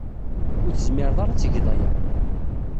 Ur tezmired ara ad tged aya.